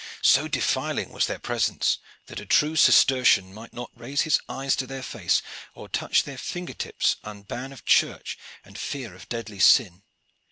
So defiling was their presence that a true Cistercian might not raise his eyes to their face or touch their finger tips under ban of church and fear of deadly sin.